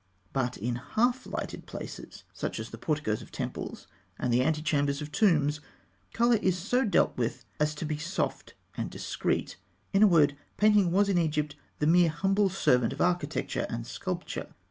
But in half lighted places, such as the porticoes of temples and the ante chambers of tombs, colour is so dealt with as to be soft and discreet. In a word, painting was in Egypt the mere humble servant of architecture and sculpture.